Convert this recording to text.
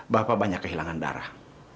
bapak banyak kehilangan darah